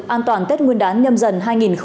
an toàn tết nguyên đán nhâm dần hai nghìn hai mươi